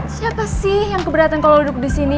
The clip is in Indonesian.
siapa sih yang keberatan kalau duduk di sini